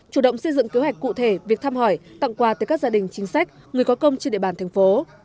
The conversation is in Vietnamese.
chủ động xây dựng kế hoạch cụ thể việc thăm hỏi tặng quà tới các gia đình chính sách người có công trên địa bàn thành phố